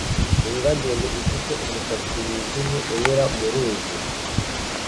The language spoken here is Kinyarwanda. imbwa ndende ifite umusatsi wijimye unyura mu ruzi